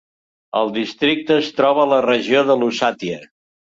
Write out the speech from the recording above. El districte es troba a la regió de Lusatia.